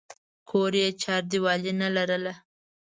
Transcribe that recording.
کور یې چاردیوالي نه لرله.